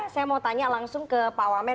saya mau tanya langsung ke pak wamen